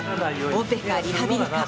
オペか、リハビリか。